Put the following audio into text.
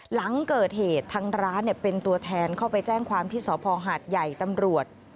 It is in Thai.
หลังเกิดเหตุทางร้านเป็นตัวแทนเข้าไปแจ้งความที่สพหาดใหญ่ตำรวจ